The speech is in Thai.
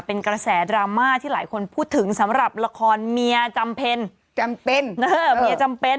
เป็นกระแสดราม่าที่หลายคนพูดถึงสำหรับละครเมียจำเป็น